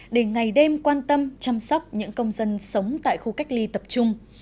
để ngày đêm quan tâm chăm sóc những công dân sống tại khu cách ly tập trung